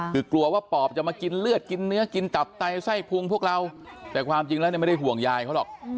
คือกลัวว่าปอบจะมากินเลือดกินเนื้อกินตับไตไส้พุงพวกเราแต่ความจริงแล้วไม่ได้ห่วงยายเขาหรอก